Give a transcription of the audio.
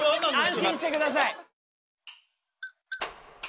安心してください。